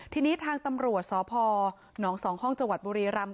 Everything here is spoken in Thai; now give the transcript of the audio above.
ทีนี้ทางตำรวจสพนสองห้องจบบุรีรำ